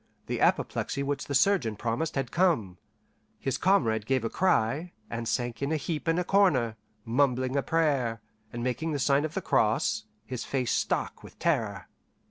the apoplexy which the surgeon promised had come), his comrade gave a cry, and sank in a heap in a corner, mumbling a prayer, and making the sign of the cross, his face stark with terror.